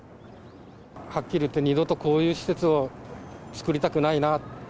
はっきり言って、二度とこういう施設を作りたくないな。